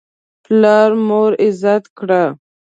پلار مور عزت کړه.